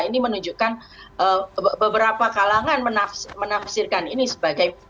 ini menunjukkan beberapa kalangan menafsirkan ini sebagai